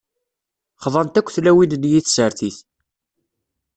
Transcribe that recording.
Xḍant akk tlawin-nni i tsertit.